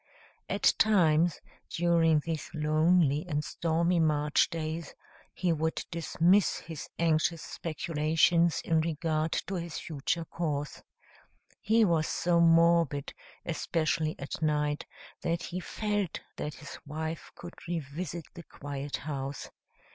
At times, during these lonely and stormy March days, he would dismiss his anxious speculations in regard to his future course. He was so morbid, especially at night, that he felt that his wife could revisit the quiet house.